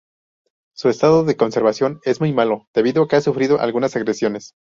Su estado de conservación es muy malo debido a que han sufrido algunas agresiones.